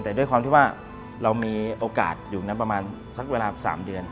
แต่ด้วยความที่ว่าเรามีโอกาสอยู่นั้นประมาณสักเวลา๓เดือน